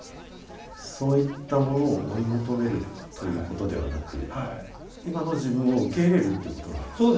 そういったものを追い求めるということではなく今の自分を受け入れるってことなんですか？